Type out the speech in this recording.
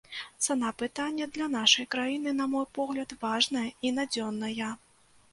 Цана пытання для нашай краіны, на мой погляд, важная і надзённая.